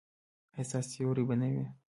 ایا ستاسو سیوری به نه وي؟